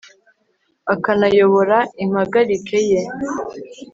akanayobora impagarike ye